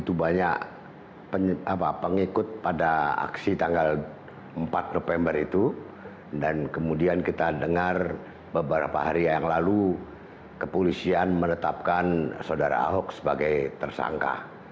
itu banyak pengikut pada aksi tanggal empat november itu dan kemudian kita dengar beberapa hari yang lalu kepolisian menetapkan saudara ahok sebagai tersangka